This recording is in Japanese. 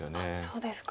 そうですか。